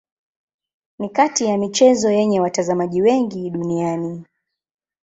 Ni kati ya michezo yenye watazamaji wengi duniani.